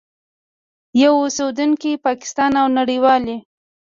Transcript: یو اوسېدونکی پاکستان او نړیوالي